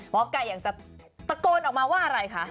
ไก่อยากจะตะโกนออกมาว่าอะไรคะ